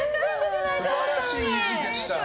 素晴らしい維持でした。